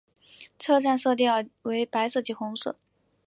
车站色调为白色及红色。